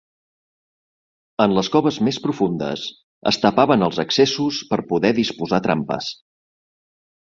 En les coves més profundes es tapaven els accessos per poder disposar trampes.